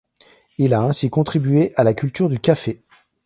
Il a ainsi contribué à la culture du café.